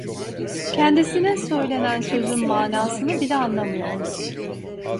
Kendisine söylenen sözün manasını bile anlamıyordu.